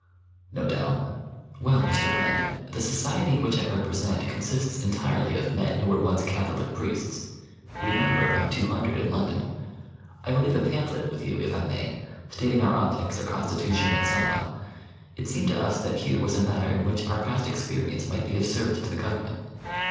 "No doubt." "Well, Mr. Brand, the society which I represent consists entirely of men who were once Catholic priests. We number about two hundred in London. I will leave a pamphlet with you, if I may, stating our objects, our constitution, and so on. It seemed to us that here was a matter in which our past experience might be of service to the Government.